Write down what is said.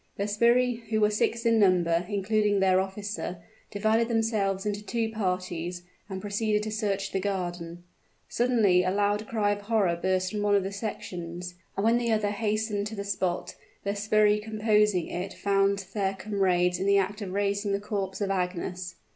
The sbirri, who were six in number, including their officer, divided themselves into two parties, and proceeded to search the gardens. Suddenly a loud cry of horror burst from one of the sections; and when the other hastened to the spot, the sbirri composing it found their comrades in the act of raising the corpse of Agnes.